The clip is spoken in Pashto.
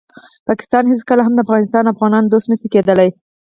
پاکستان هیڅکله هم د افغانستان او افغانانو دوست نشي کیدالی.